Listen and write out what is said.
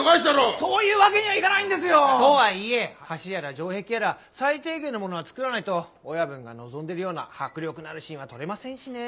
そういうわけにはいかないんですよ！とはいえ橋やら城壁やら最低限のものは作らないと親分が望んでるような迫力のあるシーンは撮れませんしねぇ。